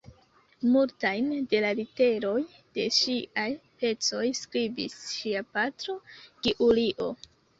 Multajn de la literoj de ŝiaj pecoj skribis ŝia patro Giulio.